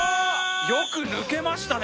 よく抜けましたね